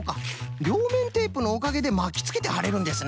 りょうめんテープのおかげでまきつけてはれるんですな。